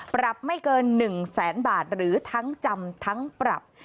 ปรับไม่เกิน๑แสนบาทหรือทั้งจำทั้งปรับ